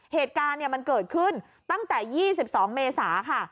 เหตุการณ์มันเกิดขึ้นตั้งแต่๒๒เมษาค่ะ